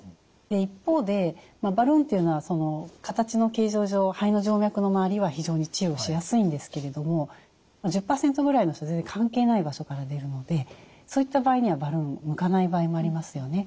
一方でバルーンというのは形の形状上肺の静脈の周りは非常に治療しやすいんですけれども１０％ぐらいの人は全然関係ない場所から出るのでそういった場合にはバルーン向かない場合もありますよね。